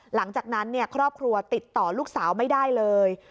หลังจากนั้นครอบครัวติดต่อลูกสาวไม่ได้เลย